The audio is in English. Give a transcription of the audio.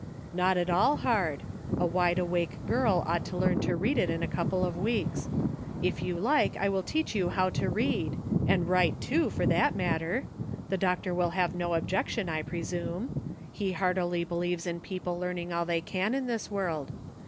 ''Not at all hard; a wide awake girl ought to learn to read it in a couple of weeks. If you like I will teach you how to read — and write, too, for that matter. The doctor will have no objection, I presume. He heartily believes in people learning all they can in this world.